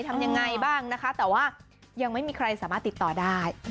ทำยังไงบ้างนะคะแต่ว่ายังไม่มีใครสามารถติดต่อได้